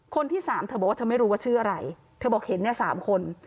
คนที่สามเธอบอกว่าเธอไม่รู้ว่าชื่ออะไรเธอบอกเห็นเนี่ย๓คน